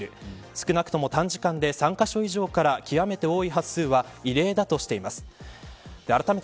少なくとも短時間で３カ所以上から極めて多い発数は異例だとしています。